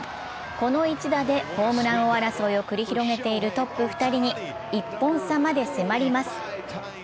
この一打でホームラン王争いを繰り広げているトップ２人に１本差まで迫ります。